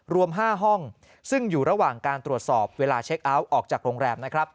รวม๕ห้องซึ่งอยู่ระหว่างการตรวจสอบเวลาเช็คเอาท์ออกจากโรงแรมนะครับ